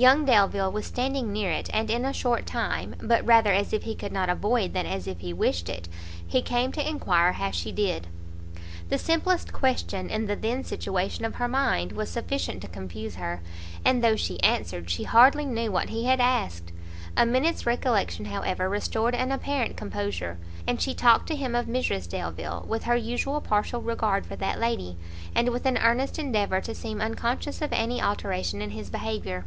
Young Delvile was standing near it, and, in a short time, but rather as if he could not avoid than as if he wished it, he came to enquire how she did. The simplest question, in the then situation of her mind, was sufficient to confuse her, and though she answered, she hardly knew what he had asked. A minute's recollection, however, restored an apparent composure, and she talked to him of Mrs Delvile, with her usual partial regard for that lady, and with an earnest endeavour to seem unconscious of any alteration in his behaviour.